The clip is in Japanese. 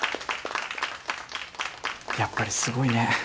やっぱりすごいね。